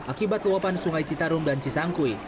akibat luapan sungai citarum dan cisangkui